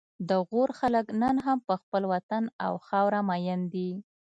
د غور خلک نن هم په خپل وطن او خاوره مین دي